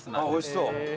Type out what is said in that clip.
おいしそう。